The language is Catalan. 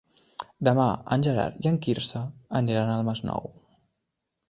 Demà en Gerard i en Quirze aniran al Masnou.